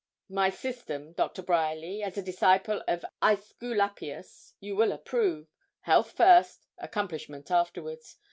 'My system, Doctor Bryerly, as a disciple of Aesculapius you will approve health first, accomplishment afterwards.